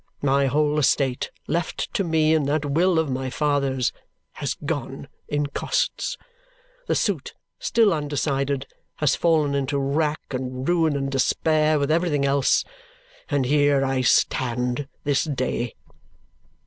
My whole estate, left to me in that will of my father's, has gone in costs. The suit, still undecided, has fallen into rack, and ruin, and despair, with everything else and here I stand, this day!